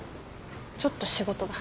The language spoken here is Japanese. ちょっと仕事が。